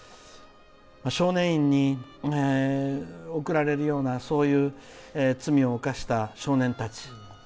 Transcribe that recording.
少年院に送られるようなそういう罪を犯した少年たち。